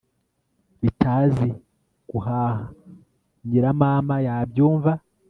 bitazi guhaha.nyiramama yabyumva